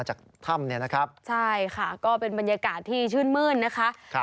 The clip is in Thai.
ใช่ค่ะก็เป็นบรรยากาศที่ชื่นมื้นนะคะ